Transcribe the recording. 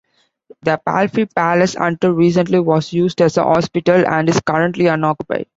The Palffy Palace until recently was used as a hospital and is currently unoccupied.